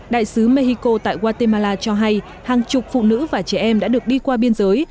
đại sứ mexico tại guatemala cho hay hàng chục phụ nữ và trẻ em đã được đi qua biên giới